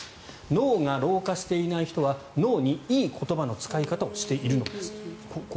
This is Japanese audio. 脳が老化していない人は脳にいい言葉の使い方をしているのです。